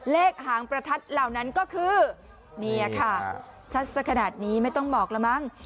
หางประทัดเหล่านั้นก็คือเนี่ยค่ะชัดสักขนาดนี้ไม่ต้องบอกแล้วมั้ง